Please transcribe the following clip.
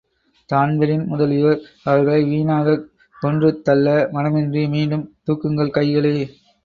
Dan Breen முதலியோர் அவர்களை வீணாகக் கொன்றுதள்ள மனமின்றி, மீண்டும், தூக்குங்கள் கைகளை!